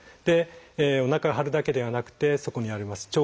でおなかが張るだけではなくてそこにあります